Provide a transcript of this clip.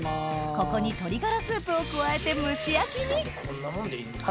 ここに鶏ガラスープを加えて蒸し焼きにこんなもんでいいんですね。